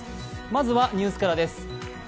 まずはニュースからです。